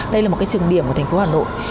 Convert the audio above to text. đây là một cái trường điểm của thành phố hà nội